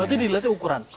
berarti dilihatnya ukuran